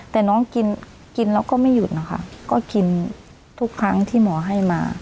แต่น้องกินกินแล้วก็ไม่หยุดนะคะก็กินทุกครั้งที่หมอให้มา